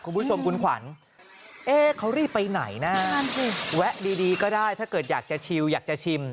คุณผู้ชมคุณขวัญเอ๊เขารีบไปไหนนะแวะดีก็ได้ถ้าเกิดอยากจะชิวอยากจะชิม